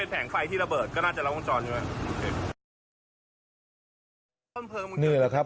แล้วนายได้ระเบิดหรือครับ